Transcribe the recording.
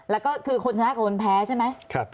แล้วก็คือคนชนะกับคนแพ้ใช่ไหม